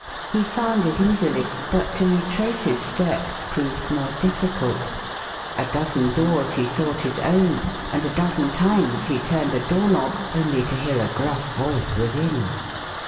He found it easily, but to retrace his steps proved more difficult. A dozen doors he thought his own, and a dozen times he turned a door knob only to hear a gruff voice within.